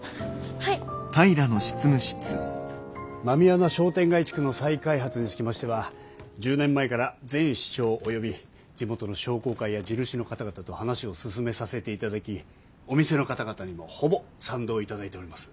狸穴商店街地区の再開発につきましては１０年前から前市長及び地元の商工会や地主の方々と話を進めさせていただきお店の方々にもほぼ賛同いただいております。